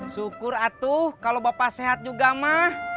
syukur atuh kalau bapak sehat juga mah